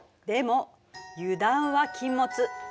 でも油断は禁物。